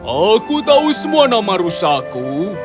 aku tahu semua nama rusakku